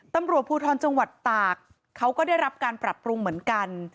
ตำรวจภูทรจังหวัดตากเขาก็ได้รับการปรับปรุงเหมือนกัน